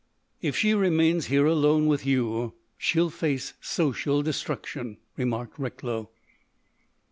"If she remains here alone with you she'll face social destruction," remarked Recklow.